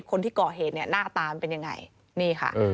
คนที่ก่อเหตุเนี่ยหน้าตามันเป็นยังไงนี่ค่ะ